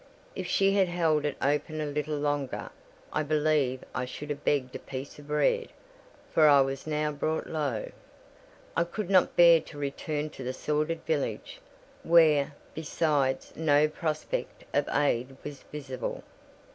If she had held it open a little longer, I believe I should have begged a piece of bread; for I was now brought low. I could not bear to return to the sordid village, where, besides, no prospect of aid was visible.